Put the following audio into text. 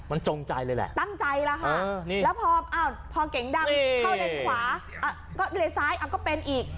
มันจงใจเลยแหละตั้งใจแล้วค่ะแล้วพอเก๋งดำเข้าเลนขวาก็เลนซ้ายก็เป็นอีก